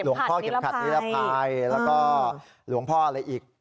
แล้วก็หลวงพ่ออะไรอีก